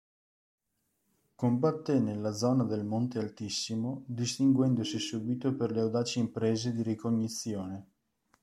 Combatté nella zona del Monte Altissimo, distinguendosi subito per le audaci imprese di ricognizione.